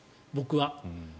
僕は。